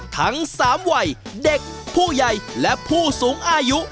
ทั้ง๓วัยเด็กผู้ใหญ่และผู้สูงอายุ